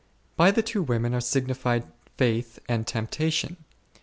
By the two women are signified Faith and Temp tation.